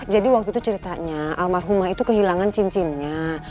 jadi waktu itu ceritanya almarhumah itu kehilangan cincinnya